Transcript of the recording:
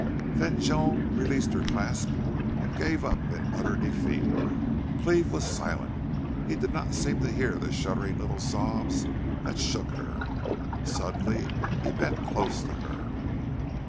Then Joan released her clasp and gave up to utter defeat. Cleve was silent. He did not seem to hear the shuddering little sobs that shook her. Suddenly he bent close to her.